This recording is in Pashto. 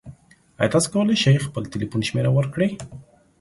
ایا تاسو کولی شئ خپل تلیفون شمیره ورکړئ؟